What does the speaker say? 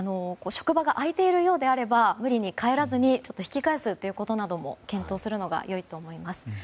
職場が開いているようであれば無理に帰らずに引き返すことなども検討するのが良いと思います。